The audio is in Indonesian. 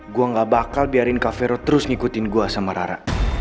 gue gak bakal biarin cavero terus ngikutin gue sama rara